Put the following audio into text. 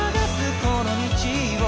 この道を」